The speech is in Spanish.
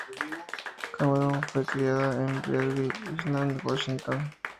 Cameron fue criada en Bainbridge Island, Washington.